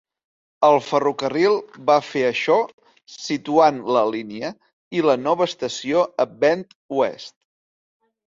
El ferrocarril va fer això situant la línia i la nova estació a Bend Oest.